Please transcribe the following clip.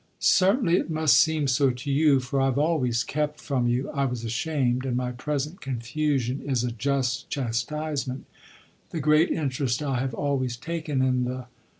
"Certainly it must seem so to you, for I've always kept from you I was ashamed, and my present confusion is a just chastisement the great interest I have always taken in the